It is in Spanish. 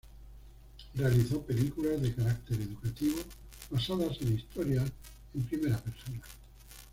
Realizó películas de carácter educativo, basadas en historias en primera persona.